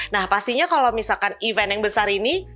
nah pastinya kalau misalkan event yang besar ini